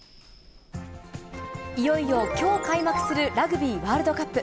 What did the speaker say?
いよいよきょう開幕するラグビーワールドカップ。